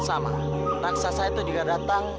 raksasa juga datang raksasa itu juga datang